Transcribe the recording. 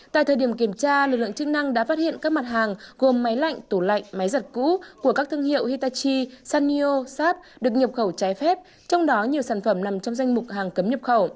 tại thời điểm kiểm tra lực lượng chức năng đã phát hiện các mặt hàng gồm máy lạnh tủ lạnh máy giặt cũ của các thương hiệu hitachi saniosat được nhập khẩu trái phép trong đó nhiều sản phẩm nằm trong danh mục hàng cấm nhập khẩu